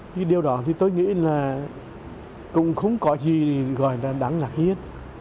cái điều đó thì tôi nghĩ là cũng không có gì gọi là đáng lạc nhiên